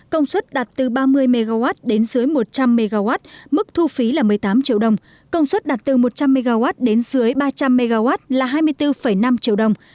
công suất đặt từ ba mươi mw đến dưới một trăm linh mw mức thu phí là một mươi tám triệu đồng công suất đặt từ một trăm linh mw đến dưới ba trăm linh mw là hai mươi bốn năm triệu đồng